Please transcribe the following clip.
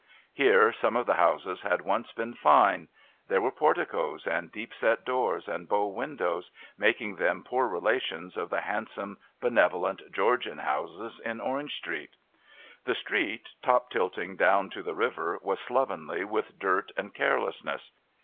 Here some of the houses had once been fine; there were porticoes and deep set doors and bow windows, making them poor relations of the handsome benevolent Georgian houses in Orange Street. The street, top tilting down to the river, was slovenly with dirt and carelessness.